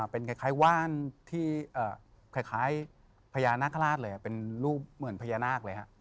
เป็นคล้ายว่านที่คล้ายพญานาคาราชเลยเป็นรูปเหมือนพญานาคเลยฮะ